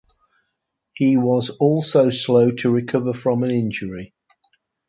He was also slow to recover from an injury.